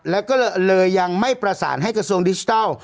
แล้วก็เลยยังไม่ประสานให้กระทรวงดิจิทัล